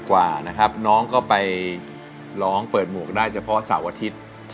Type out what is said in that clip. กว่านะครับน้องก็ไปร้องเปิดหมวกได้เฉพาะเสาร์อาทิตย์